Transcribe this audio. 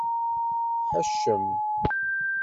Ḥeccem.